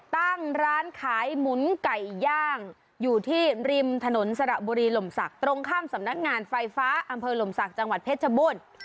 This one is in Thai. ตั้งร้านขายหมุนไก่ย่างอยู่ที่ริมถนนสระบุรีหล่มศักดิ์ตรงข้ามสำนักงานไฟฟ้าอำเภอหลมศักดิ์จังหวัดเพชรบูรณ์